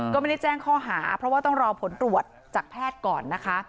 ก็ไม่ได้แจ้งข้อหาเพราะว่าต้องรอผลตรวจจากแพทย์ก่อนนะคะ